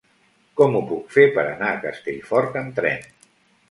Com ho puc fer per anar a Castellfort amb tren?